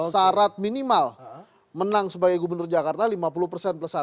syarat minimal menang sebagai gubernur jakarta lima puluh persen plus satu